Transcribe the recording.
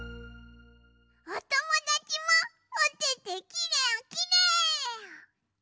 おともだちもおててきれいきれい！